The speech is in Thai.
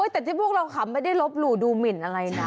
แต่ที่พวกเราขำไม่ได้ลบหลู่ดูหมินอะไรนะ